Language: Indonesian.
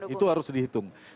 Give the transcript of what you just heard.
nah itu harus dihitung